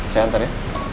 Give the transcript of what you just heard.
saya nganter ya